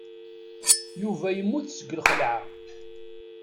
Yuba yemmut seg lxelɛa.